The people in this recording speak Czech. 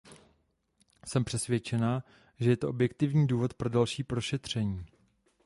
Jsem přesvědčena, že je to objektivní důvod pro další prošetření.